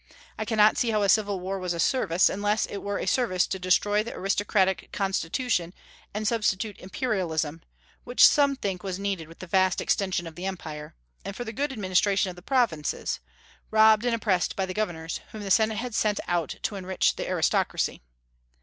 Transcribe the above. I cannot see how a civil war was a service, unless it were a service to destroy the aristocratic constitution and substitute imperialism, which some think was needed with the vast extension of the Empire, and for the good administration of the provinces, robbed and oppressed by the governors whom the Senate had sent out to enrich the aristocracy.